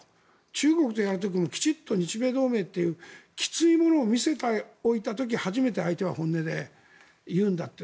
中国とやる時もきちんと日米同盟というきついものを見せておいた時初めて相手は本音で言うんだと。